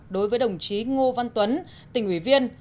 đối với đồng chí ngô văn tuấn tỉnh ủy viên